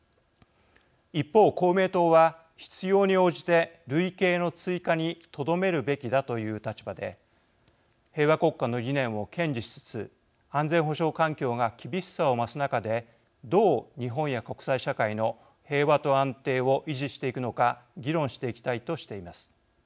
一方、公明党は必要に応じて類型の追加にとどめるべきだという立場で平和国家の理念を堅持しつつ安全保障環境が厳しさを増す中でどう日本や国際社会の平和と安定を維持していくのか議論していきたいとしています。